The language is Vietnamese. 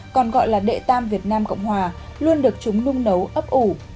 còn gọi là đệ tam việt nam cộng hòa luôn được chúng nung nấu ấp ủ